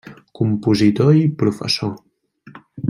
Compositor i professor.